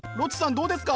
どうですか？